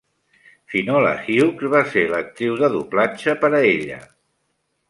Finola Hughes va ser l'actriu de doblatge per a ella.